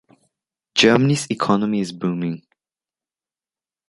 Germany’s economy is booming.